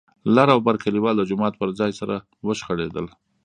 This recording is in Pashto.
لر او بر کليوال د جومات پر ځای سره وشخړېدل.